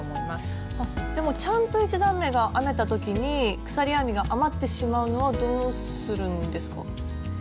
でもちゃんと１段めが編めた時に鎖編みが余ってしまうのはどうするんですか？